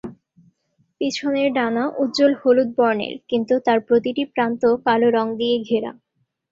পিছনের ডানা উজ্জ্বল হলুদ বর্ণের কিন্তু তার প্রতিটি প্রান্ত কালো রঙ দিয়ে ঘেরা।